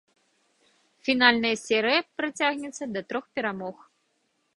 Фінальная серыя працягнецца да трох перамог.